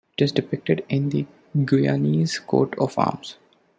It is depicted in the Guyanese coat of arms.